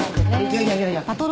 いやいやいやいや。